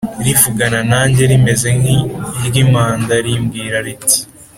rivugana nanjye rimeze nk iry impanda rimbwira riti